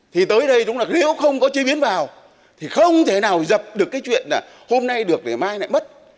thì tới đây chúng ta nếu không có chế biến vào thì không thể nào dập được cái chuyện hôm nay được để mai lại mất